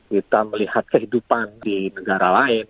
kita melihat kehidupan di negara lain